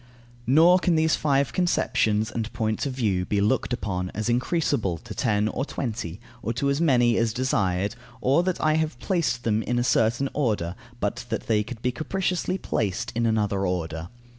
Nor can these five conceptions and points of view be looked upon as increasable to ten or twenty, or to as many as desired, or that I have placed them in a certain order, but that they could be capriciously placed in another order.